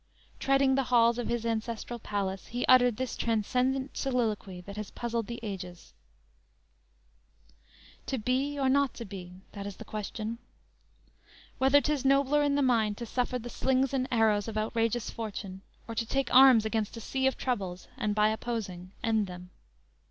Treading the halls of his ancestral palace he uttered this transcendent soliloquy that has puzzled the ages: _"To be or not to be; that is the question; Whether 'tis nobler in the mind to suffer The slings and arrows of outrageous fortune, Or to take arms against a sea of troubles, And by opposing end them.